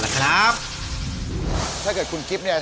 หมายเลข๕๐๐๐บาท